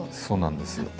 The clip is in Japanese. そうなんです。